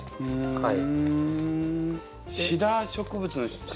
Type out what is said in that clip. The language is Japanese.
はい。